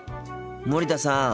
森田さん。